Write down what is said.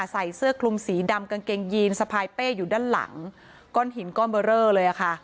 ใส่เสื้อคลุมสีดำกางเกงยีนสะพายเป้อยู่ด้านหลังก้อนหินก้อนเบอร์เรอเลยอะค่ะ